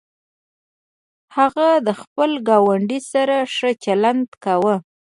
هغه د خپل ګاونډي سره ښه چلند کاوه.